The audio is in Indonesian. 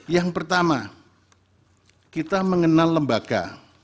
yang pertama kita mengenal lembaga